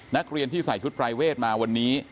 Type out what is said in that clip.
นักเรียนที่ใส่ชุดปรายเวทมาวันนี้